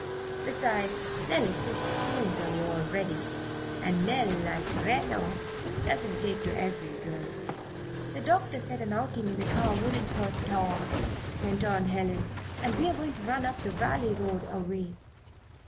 Besides, Nell is just spoons on you already, and Nell, like Reno, doesn't take to every girl." "The doctor said an outing in the car wouldn't hurt Tom," went on Helen, "and we're going to run up the valley road a way.